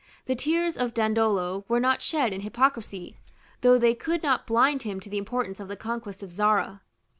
The tears of Dandolo were not shed in hypocrisy, though they could not blind him to the importance of the conquest of Zara.